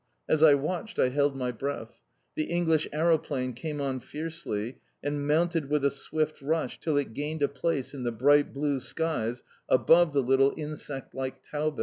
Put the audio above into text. As I watched I held my breath. The English aeroplane came on fiercely and mounted with a swift rush till it gained a place in the bright blue skies above the little insect like Taube.